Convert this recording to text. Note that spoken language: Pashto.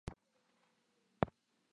بټن کښېکاږي سم له وارې فيوز پټاو کېږي.